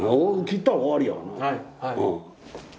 切ったら終わりやがな。